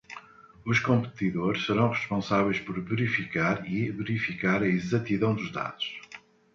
Os competidores serão responsáveis por verificar e verificar a exatidão dos dados.